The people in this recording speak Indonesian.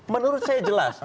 menurut saya jelas